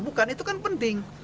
bukan itu kan penting